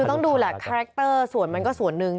คือต้องดูแหละคาแรคเตอร์ส่วนมันก็ส่วนหนึ่ง